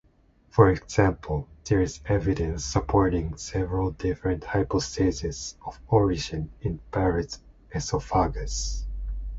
For example, there is evidence supporting several different hypotheses of origin in Barrett's esophagus.